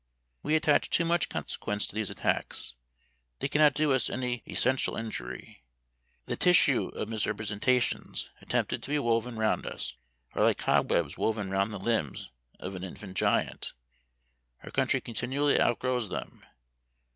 We attach too much consequence to these attacks. They cannot do us any essential injury. The tissue of misrepresentations attempted to be woven round us, are like cobwebs woven round the limbs of an infant giant. Our country continually outgrows them.